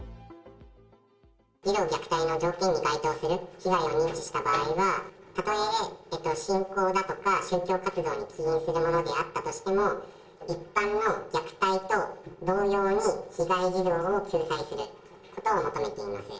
児童虐待の条件に該当する被害を認知した場合は、たとえ信仰だとか宗教活動に起因するものであったとしても、一般の虐待と同様に被害児童を救済することを求めています。